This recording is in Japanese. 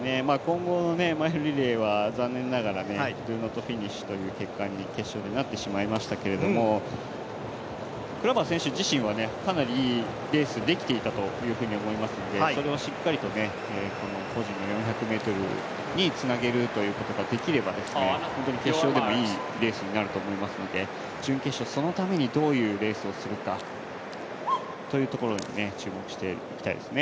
混合のマイルリレーは残念ながらの結果になってしまいましたがクラバー選手自身はかなりいいレースができていたというふうに、この４００ｍにつなげるということができれば決勝でもいいレースになると思いますので準決勝、そのためにどういうレースをするかというところに注目していきたいですね。